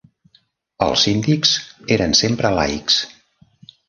Els síndics eren sempre laics.